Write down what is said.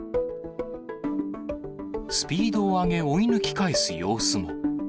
スピードを上げ、追い抜き返す様子も。